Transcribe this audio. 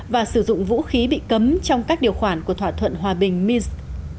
và sử dụng vũ khí bị cấm trong các điều khoản của thỏa thuận hòa bình minsk